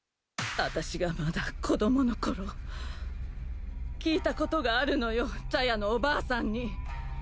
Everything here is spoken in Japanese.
「私がまだ子供のころ聞いたことがあるのよ茶屋のおばあさんに」